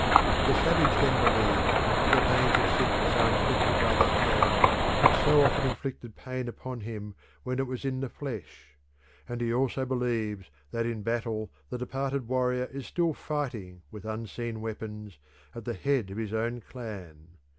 The savage then believes that the pains of sickness are inflicted by the hand which so often inflicted pain upon him when it was in the flesh, and he also believes that in battle the departed warrior is still fighting with unseen weapons at the head of his own clan.